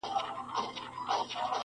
o پټه خوله اقرار دئ٫